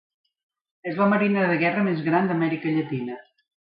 És la marina de guerra més gran d'Amèrica Llatina.